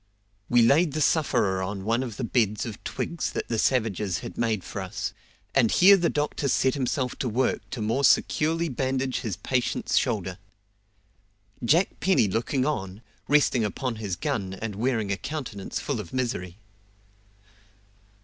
We laid the sufferer on one of the beds of twigs that the savages had made for us, and here the doctor set himself to work to more securely bandage his patient's shoulder; Jack Penny looking on, resting upon his gun, and wearing a countenance full of misery.